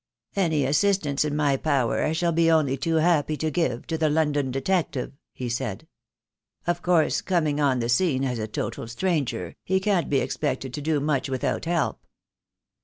"Any assistance in my power I shall be only too happy to give to the London detective," he said. "Of course, coming on the scene as a total stranger, he can't be ex pected to do much without help."